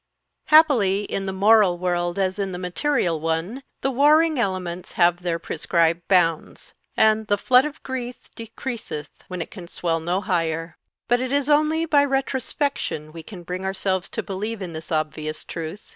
_ HAPPILY in the moral world as in the material one the warring elements have their prescribed bounds, and "the flood of grief decreaseth when it can swell no higher;" but it is only by retrospection we can bring ourselves to believe in this obvious truth.